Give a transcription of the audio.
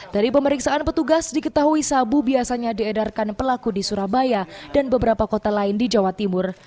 dari pemeriksaan petugas diketahui sabu biasanya diedarkan pelaku di surabaya dan beberapa kota lain di jawa timur